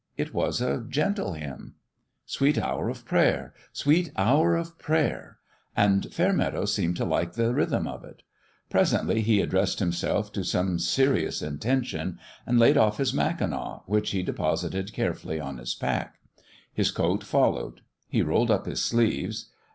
It was a gentle hymn, " Sweet hour of prayer, Sweet hour of prayer " and Fairmeadow seemed to like the rhythm of it. Presently, he addressed himself to some serious intention, and laid off his mackinaw, which he FIST PLAY 145 deposited carefully on his pack. His coat fol lowed. He rolled up his sleeves.